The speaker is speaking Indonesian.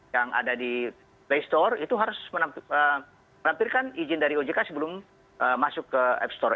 yang ada di playstore itu harus menampilkan izin dari ojk sebelum masuk ke appstore